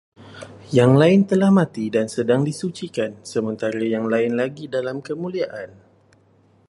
Yang lain telah mati dan sedang disucikan, sementara yang lain lagi dalam kemuliaan